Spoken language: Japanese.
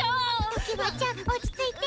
ときわちゃん落ち着いて。